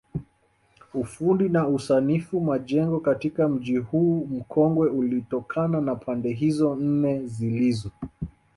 Ufundi na usanifu majengo katika mji huu mkongwe ulitokana na pande hizo nne zilizo